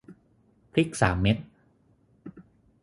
พริกสามเม็ด